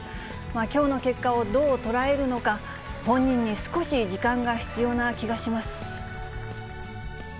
きょうの結果をどう捉えるのか、本人に少し時間が必要な気がします。